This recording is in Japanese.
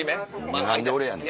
何で俺やねん。